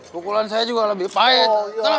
pukulan saya juga lebih pahit